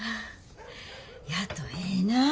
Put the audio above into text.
やとええなぁ。